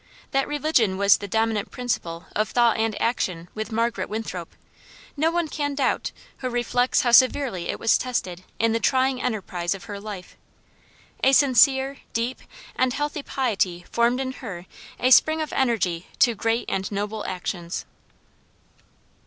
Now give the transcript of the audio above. That religion was the dominant principle of thought and action with Margaret Winthrop, no one can doubt who reflects how severely it was tested in the trying enterprise of her life. A sincere, deep, and healthful piety formed in her a spring of energy to great and noble actions.